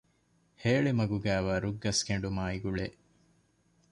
ހޭޅިމަގުގައިވާ ރުއްގަސް ކެނޑުމާއި ގުޅޭ